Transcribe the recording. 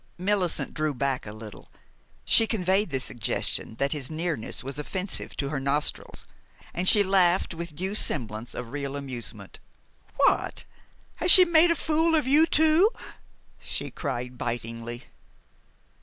Millicent drew back a little. She conveyed the suggestion that his nearness was offensive to her nostrils. And she laughed, with due semblance of real amusement. "What! Has she made a fool of you too?" she cried bitingly.